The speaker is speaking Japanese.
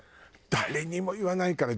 「誰にも言わないから！」